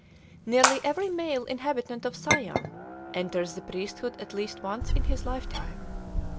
Nearly every male inhabitant of Siam enters the priesthood at least once in his lifetime.